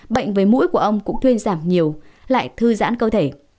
bệnh với mũi của ông cũng thuyên giảm nhiều lại thư giãn cơ thể